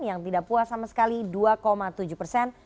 yang tidak puas sama sekali dua tujuh persen